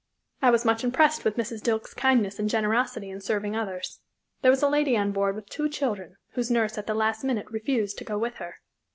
I was much impressed with Mrs. Dilke's kindness and generosity in serving others. There was a lady on board with two children, whose nurse at the last minute refused to go with her.